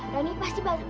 rani pasti bakal berubah